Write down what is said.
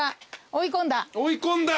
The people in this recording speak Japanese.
追い込んだ。